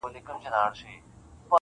• بس چي کله دي کابل کي یوه شپه سي,